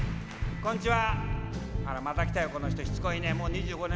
こんちは。